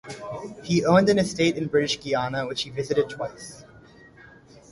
He owned an estate in British Guiana, which he visited twice.